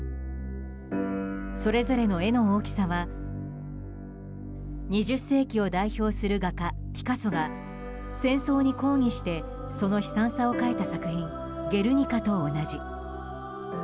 それぞれの絵の大きさは２０世紀を代表する画家ピカソが戦争に抗議してその悲惨さを描いた作品「ゲルニカ」と同じ。